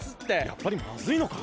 やっぱりまずいのか。